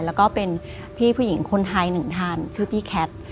แล้วก็เป็นพี่ผู้หญิงคนไทยหนึ่งท่านชื่อพี่แคท